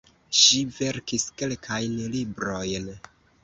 Ŝi verkis kelkajn librojn.